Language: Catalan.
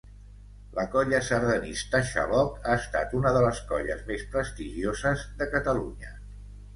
La Colla sardanista Xaloc ha estat una de les colles més prestigioses de Catalunya.